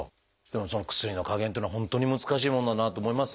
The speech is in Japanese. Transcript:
でもその薬の加減っていうのは本当に難しいもんだなと思いますね